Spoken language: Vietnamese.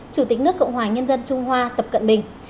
chủ tịch nước cộng hòa nhân dân trung hoa tập cận bình